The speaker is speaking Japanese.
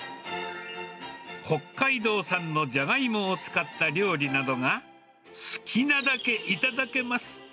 北海道産のジャガイモを使った料理などが、好きなだけ頂けます。